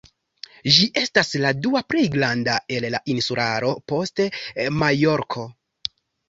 Ĝi estas la dua plej granda el la insularo post Majorko.